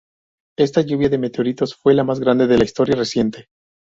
Esta lluvia de meteoritos fue la más grande de la historia reciente.